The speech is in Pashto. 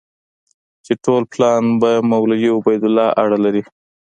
چې ټول پلان په مولوي عبیدالله اړه لري.